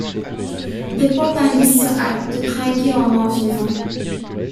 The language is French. Des botanistes se hâtent de trinquer au mort-vivant.